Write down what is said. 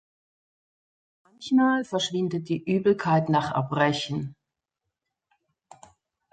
Manchmal verschwindet die Übelkeit nach Erbrechen.